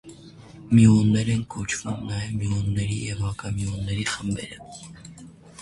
Մյուոններ են կոչվում նաև մյուոնների և հակամյուոնների խմբերը։